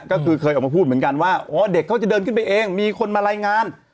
ก็คือเคยออกมาพูดเหมือนกันว่าอ๋อเด็กเขาจะเดินขึ้นไปเองมีคนมารายงาน